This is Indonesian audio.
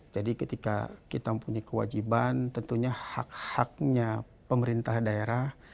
jadi ketika kita mempunyai kewajiban tentunya hak haknya pemerintah daerah